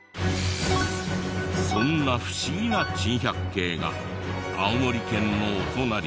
そんな不思議な珍百景が青森県のお隣